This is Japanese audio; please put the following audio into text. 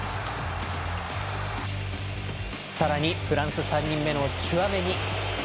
さらに、フランス３人目のチュアメニ。